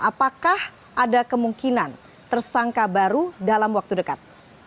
apakah ada kemungkinan tersangka baru dalam waktu dekat